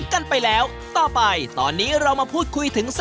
ไข่ปูแล้วก็ไข่แม่งดา